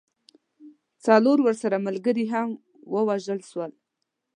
څلور ورسره ملګري هم ووژل سول.